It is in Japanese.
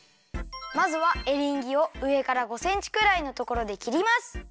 まずはエリンギをうえから５センチくらいのところできります。